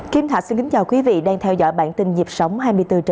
kim thạch xin kính chào quý vị đang theo dõi bản tin nhịp sống hai mươi bốn h